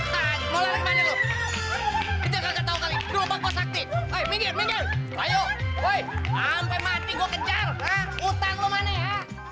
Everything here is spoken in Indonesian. hai minggir minggir ayo woi sampai mati gue kejar utang lu mana ya